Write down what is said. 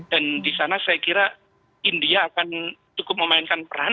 di sana saya kira india akan cukup memainkan peran